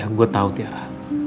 ya gue tahu tiara